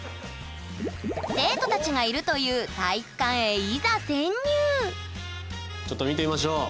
生徒たちがいるというちょっと見てみましょう！